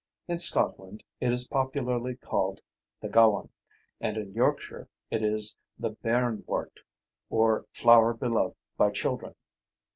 In Scotland it is popularly called the gowan, and in Yorkshire it is the bairn wort, or flower beloved by children.